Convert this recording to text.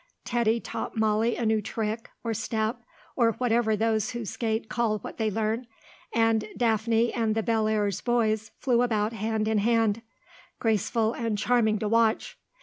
Eddy taught Molly a new trick, or step, or whatever those who skate call what they learn, and Daphne and the Bellairs boys flew about hand in hand, graceful and charming to watch.